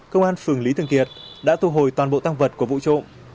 công an phường lý thường kiệt đã thu hồi toàn bộ tăng vật của vụ trộm